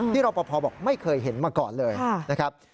รอปภบอกไม่เคยเห็นมาก่อนเลยนะครับ